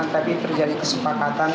tapi terjadi kesepakatan